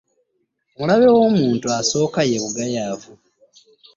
Omulabe w'omuntu asooka ye bugayaavu.